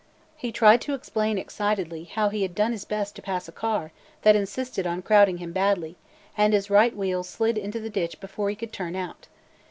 He tried to explain excitedly how he had done his best to pass a car that insisted on crowding him badly, and his right wheels slid into the ditch before he could turn out.